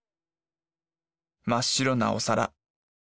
真っ白なお皿。